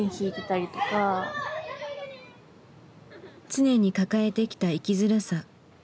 常に抱えてきた生きづらさ。